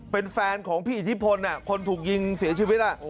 เป็นแฟนของพี่อิทธิพลคนถูกยิงเสียชีวิต